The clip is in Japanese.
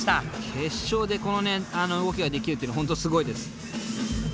決勝でこの動きができるっていうのは本当すごいです。